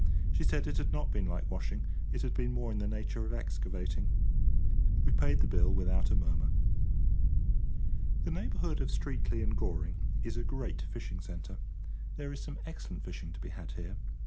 She said it had not been like washing, it had been more in the nature of excavating. We paid the bill without a murmur. The neighbourhood of Streatley and Goring is a great fishing centre. There is some excellent fishing to be had here.